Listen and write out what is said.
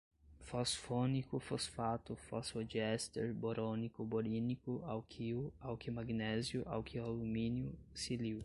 fosfônico, fosfato, fosfodiéster, borônico, borínico, alquil, alquilmagnésio, alquilalumínio, silil